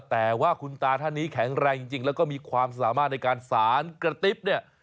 แต่ว่าคุณตาท่านนี้แข็งแรงจริงแล้วก็มีความสามารถในการสารกระติ๊บเนี่ย